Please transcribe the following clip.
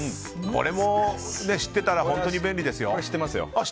これも知ってたら本当に便利ですよ。